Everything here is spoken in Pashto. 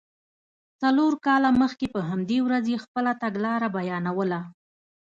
څلور کاله مخکې په همدې ورځ یې خپله تګلاره بیانوله.